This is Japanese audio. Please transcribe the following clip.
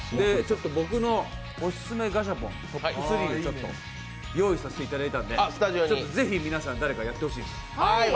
僕のオススメガシャポン、トップ３を用意させていただいたので、ぜひ誰かやってほしいです。